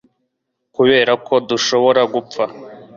kubera ko dushobora gupfa